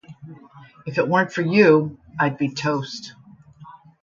If it weren't for you, I'd be toast.